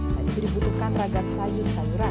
selain itu dibutuhkan ragam sayur sayuran